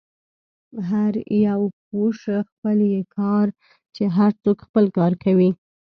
هر یو پوه شه، خپل يې کار، چې هر څوک خپل کار کوي.